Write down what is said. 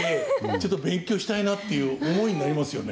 ちょっと勉強したいなっていう思いになりますよね。